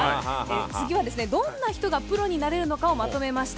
次は、どんな人がプロになれるのかをまとめました。